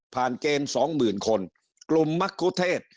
เกณฑ์สองหมื่นคนกลุ่มมรกุเทศ